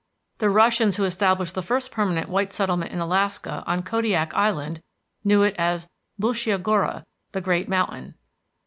The Russians who established the first permanent white settlement in Alaska on Kodiak Island knew it as Bulshia Gora, the great mountain.